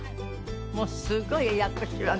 もうすごいややこしいわね。